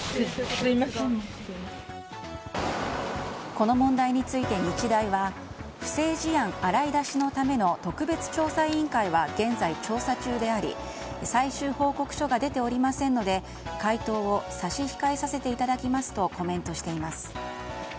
この問題について日大は不正事案洗い出しのための特別調査委員会は現在調査中であり最終報告書が出ておりませんので回答を差し控えさせていただきますとコメントしています。